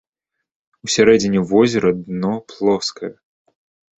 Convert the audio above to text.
У сярэдзіне возера дно плоскае.